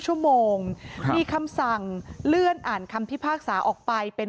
ชั่วโมงมีคำสั่งเลื่อนอ่านคำพิพากษาออกไปเป็น